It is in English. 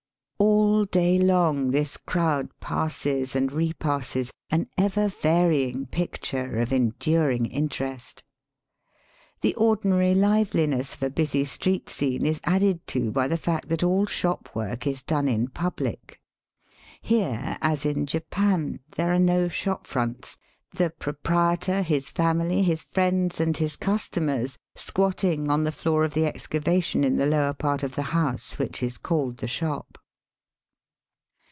All daylong this crowd passes and repasses, an ever varying picture of enduring interest. The ordinary liveliness of a busy street scene is added to by the fact that all shop work is done in public. Here, as in Japan, there are no shop fronts, the proprietor, his family, his friends, and his customers squatting on the floor of the excavation in the lower part of the house which is called the shop.